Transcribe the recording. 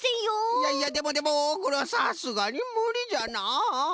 いやいやでもでもこれはさすがにむりじゃな。